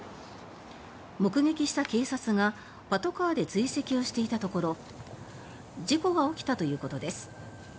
目撃した警察がパトカーで追跡をしていたところ事故が起きたということです。